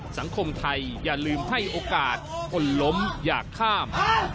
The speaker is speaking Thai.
สังคมไทยอย่าลืมให้โอกาสคนล้มอย่าข้าม